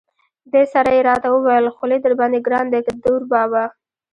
دې سره یې را ته وویل: خولي درباندې ګران دی که دوربابا.